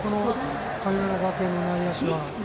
神村学園の内野手は。